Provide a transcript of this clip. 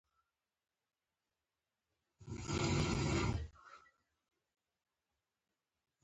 سندره له زړه سره اړیکه لري